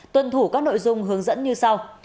tuân thủ các nội dung hướng dẫn như sau